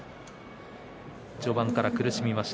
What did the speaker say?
序盤から苦しみました。